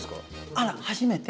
あら初めて？